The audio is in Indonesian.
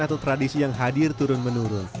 atau tradisi yang hadir turun menurun